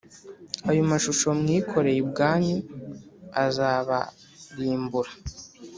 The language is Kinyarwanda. ayo mashusho mwikoreye ubwanyu azaba rimbura